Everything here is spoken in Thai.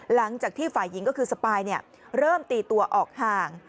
หลังจากที่ฝ่ายหญิงก็คือสปายเริ่มตีตัวออกห่าง